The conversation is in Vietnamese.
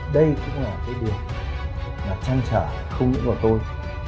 đây cũng là cái điều là trăn trả không những vào tôi